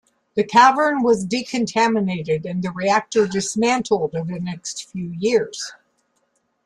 The cavern was decontaminated and the reactor dismantled over the next few years.